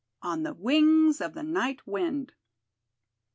ON THE WINGS OF THE NIGHT WIND.